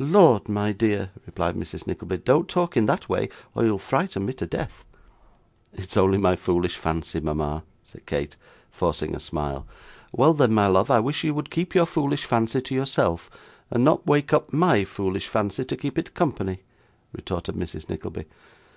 'Lord, my dear,' replied Mrs. Nickleby, 'don't talk in that way, or you'll frighten me to death.' 'It is only my foolish fancy, mama,' said Kate, forcing a smile. 'Well, then, my love, I wish you would keep your foolish fancy to yourself, and not wake up MY foolish fancy to keep it company,' retorted Mrs. Nickleby.